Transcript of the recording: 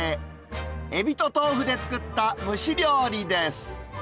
エビと豆腐で作った蒸し料理です。